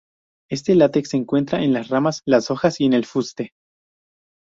Este látex se encuentra en las ramas, las hojas y en el fuste.